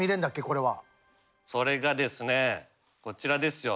これは。それがですねこちらですよ。